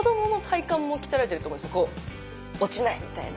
こう「落ちない！」みたいな。